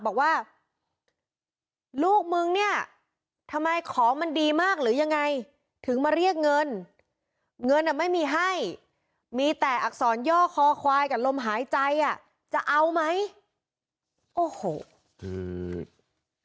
ออกมาข้างนอกออกมาข้างนอกออกมาข้างนอกออกมาข้างนอกออกมาข้างนอกออกมาข้างนอกออกมาข้างนอกออกมาข้างนอก